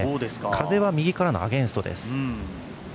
風は右からのアゲンストです。